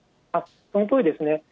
そのとおりですね。